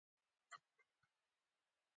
ورو مې ورته وویل تا خو هغه ته هیڅ نه ویل.